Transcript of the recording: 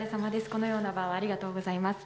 このような場をありがとうございます。